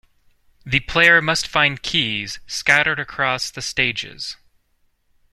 The player must find keys scattered across the stages.